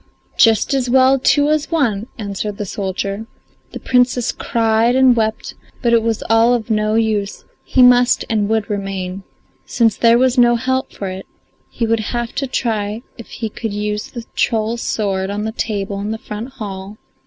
"Just as well two as one," answered the soldier. The Princess cried and wept; but it was all of no use, he must and would remain. Since there was no help for it he would have to try if he could use the troll's sword on the table in the front hall.